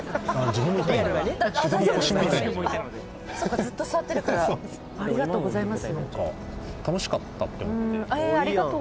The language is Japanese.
そっかずっと座ってるからそうそうありがとうございます